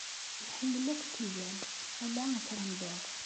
Iḥemmel akk tidal, ala akrembiḍ.